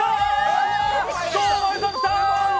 堂前さん、きた！